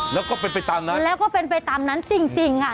แล้วก็เป็นไปตามนั้นแล้วก็เป็นไปตามนั้นจริงค่ะ